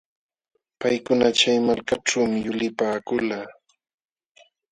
Paykuna chay malkaćhuumi yulipaakulqaa.